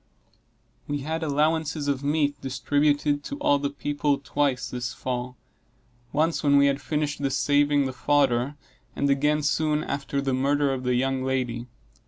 We had allowances of meat distributed to all the people twice this fall once when we had finished the saving the fodder, and again soon after the murder of the young lady.